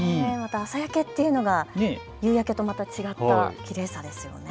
朝焼けというのが夕焼けとまた違ったきれいさですよね。